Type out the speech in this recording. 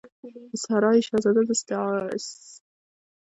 د سرای شهزاده د اسعارو تبادلې مرکز دی